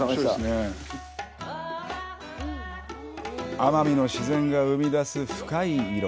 奄美の自然が生み出す深い色。